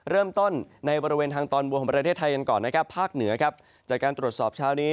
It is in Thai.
เริ่มต้นในบริเวณทางตอนวัฒนาประเทศไทยกันก่อนภาคเหนือจากการตรวจสอบเช้านี้